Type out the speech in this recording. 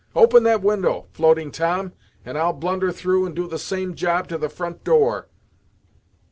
Open that window, Floating Tom, and I'll blunder through and do the same job to the front door."